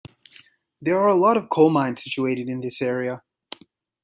There are lot of Coal mines situated in this area.